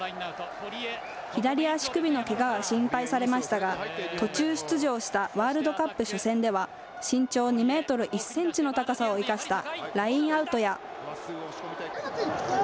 左足首のけがが心配されましたが、途中出場したワールドカップ初戦では、身長２メートル１センチの高さを生かしたラインアウトや。